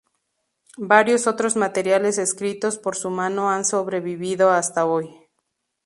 Varios otros materiales escritos por su mano han sobrevivido hasta hoy.